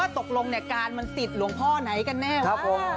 ตกลงเนี่ยการมันติดหลวงพ่อไหนกันแน่วะ